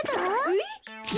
えっ！